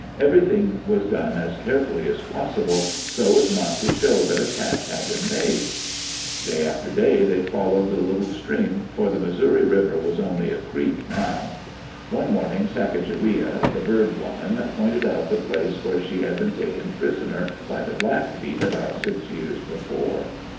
Every thing was done as carefully as possible, so as not to show that a cache had been made. Day after day they followed the little stream, for the 'Missouri River was only a creek now. One morning ^''^ r I Digitized by VjOOQ IC EARLY DAYS IN OLD OREGON Sacajawea, "the Bird Woman," pointed out the place where she had been taken prisoner by the Blackfeet about six years before.